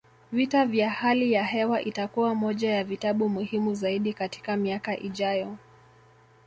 Vita vya hali ya hewa itakuwa moja ya vitabu muhimu zaidi katika miaka ijayo